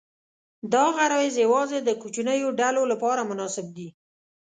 دا غرایز یواځې د کوچنیو ډلو لپاره مناسب دي.